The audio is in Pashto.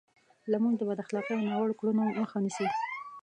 لمونځ د بد اخلاقۍ او ناوړو کړنو مخه نیسي.